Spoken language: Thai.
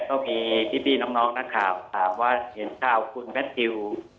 ก็มีพี่น้องนักข่าวถามว่าเห็นข่าวคุณแมททิว